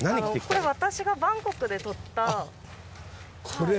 これ私がバンコクで撮った電線です。